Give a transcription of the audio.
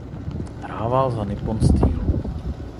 Hrával za Nippon Steel.